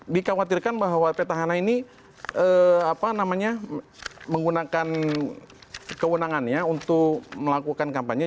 dikhawatirkan bahwa petahana ini menggunakan kewenangannya untuk melakukan kampanye